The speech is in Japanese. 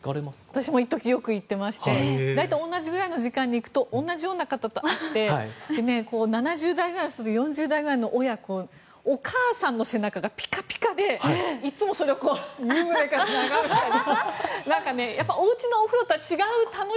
私も一時よく行っていまして大体、同じくらいの時間に行くと同じくらいの方と会って７０代くらいの人や４０代くらいの親子お母さんの背中がピカピカでいつもそれを湯舟から眺めていたり。